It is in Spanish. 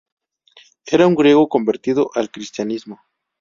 Era un griego convertido al cristianismo.